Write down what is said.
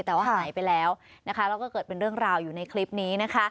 แต่ว่าหายไปแล้วนะคะแล้วก็เกิดเป็นเรื่องราวอยู่ในคลิปนี้นะคะ